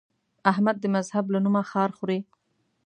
احمد د مذهب له نومه خار خوري.